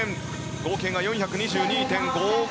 合計が４２２．５５。